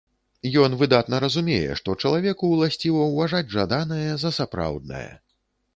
Ён выдатна разумее, што чалавеку ўласціва ўважаць жаданае за сапраўднае.